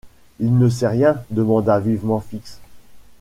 Il ne sait rien ?… demanda vivement Fix.